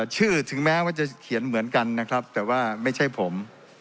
ถึงแม้ว่าจะเขียนเหมือนกันนะครับแต่ว่าไม่ใช่ผม